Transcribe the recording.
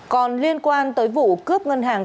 còn liên quan tới vụ cướp ngân hàng